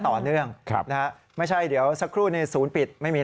ต่อเนื่องครับนะฮะไม่ใช่เดี๋ยวสักครู่นี้ศูนย์ปิดไม่มี